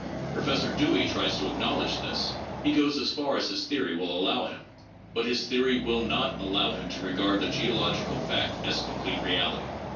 Professor Dewey tries to acknowledge this ; he goes as far as his theory will allow him. But his theory will not allow him to regard the geological fact as complete reality.